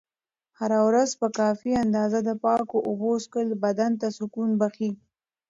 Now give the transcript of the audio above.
هره ورځ په کافي اندازه د پاکو اوبو څښل بدن ته سکون بښي.